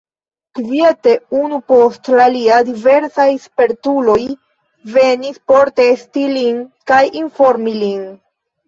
Kviete, unu post la alia, diversaj spertuloj venis por testi lin kaj informi lin.